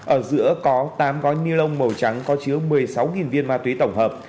ở giữa có tám gói ni lông màu trắng có chứa một mươi sáu viên tổng hợp